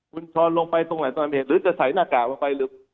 คุณช้อนลงไปตรงไหนตอนเหตุหรือจะใส่หน้ากากลงไปหรือ